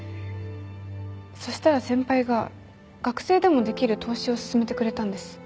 そしたら先輩が学生でもできる投資を勧めてくれたんです。